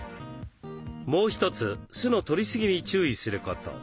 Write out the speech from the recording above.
もう一つ酢のとりすぎに注意すること。